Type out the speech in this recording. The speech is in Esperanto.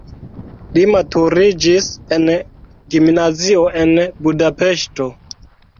Li maturiĝis en gimnazio en Budapeŝto.